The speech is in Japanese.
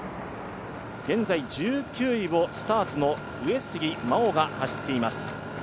現在１９位をスターツの上杉真穂が走っています。